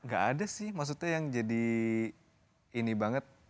gak ada sih maksudnya yang jadi ini banget